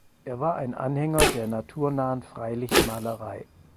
Er war ein Anhänger der naturnahen Freilichtmalerei.